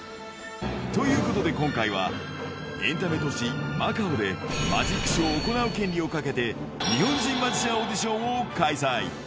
ということで今回は、エンタメ都市、マカオでマジックショーを行う権利をかけて、日本人マジシャンオーディションを開催。